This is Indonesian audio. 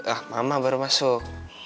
ah mama baru masuk